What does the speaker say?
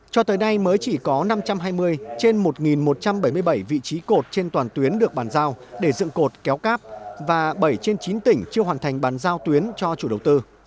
cho tới nay mới chỉ có năm trăm hai mươi trên một một trăm bảy mươi bảy vị trí cột trên toàn tuyến được bàn giao để dựng cột kéo cáp và bảy trên chín tỉnh chưa hoàn thành bàn giao tuyến cho chủ đầu tư